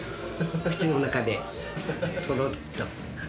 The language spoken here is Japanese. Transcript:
口の中でとろっと。